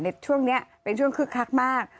ในช่วงนี้เป็นช่วงคึกคักมาก